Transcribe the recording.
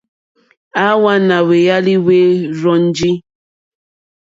À hwànɛ́ hwɛ̀álí hwɛ́ rzɔ́njì.